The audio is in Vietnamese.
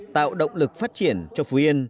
tạo động lực phát triển cho phú yên